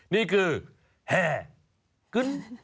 นี่คือแห่ขึ้น